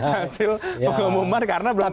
hasil pengumuman karena berarti